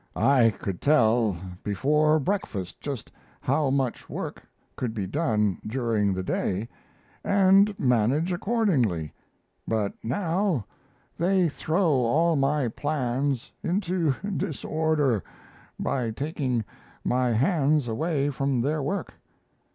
] I could tell before breakfast just how much work could be done during the day, and manage accordingly but now, they throw all my plans into disorder by taking my hands away from their work....